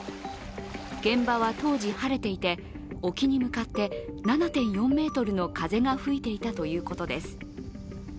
現場は当時晴れていて沖に向かって７．４メートルの風が吹いていたということです。